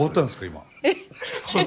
今。